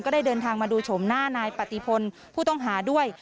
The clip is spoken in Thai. ได้เดินทางมาดูโฉมหน้านายปฏิพลผู้ต้องหาด้วย